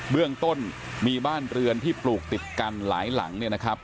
เรื่องต้นมีบ้านเรือนที่ปลูกติดกันหลายหลังเนี่ยนะครับ